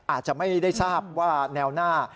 อาจจะไม่ได้ทราบว่าแนวหน้า